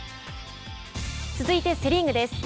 続いてセ・リーグです。